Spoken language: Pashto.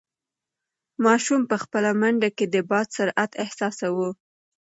ماشوم په خپله منډه کې د باد سرعت احساساوه.